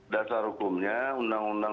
dasar hukumnya undang undang